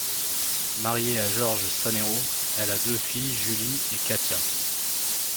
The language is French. Mariée à Georges Sanerot, elle a deux filles, Julie et Katia.